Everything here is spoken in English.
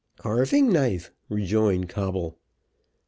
"Carving knife," rejoined Coble.